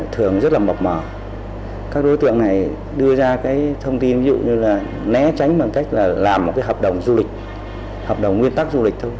thường rất là mọc mở các đối tượng này đưa ra cái thông tin ví dụ như là né tránh bằng cách là làm một cái hợp đồng du lịch hợp đồng nguyên tắc du lịch thôi